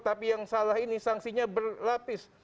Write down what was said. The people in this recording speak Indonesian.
tapi yang salah ini sanksinya berlapis